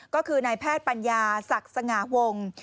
ก็คือนายแพทย์ปัญญาศักดิ์สง่าวง